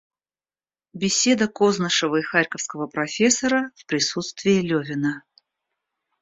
Беседа Кознышева и харьковского профессора в присутствии Левина.